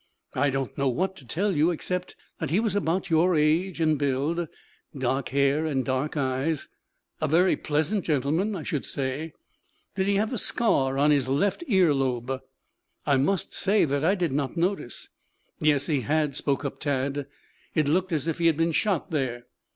"I don't know what to tell you except that he was about your age and build, dark hair and dark eyes, a very pleasant gentleman, I should say." "Did behave a scar on his left ear lobe?" "I must say that I did not notice." "Yes, he had," spoke up Tad. "It looked as if he had been shot there."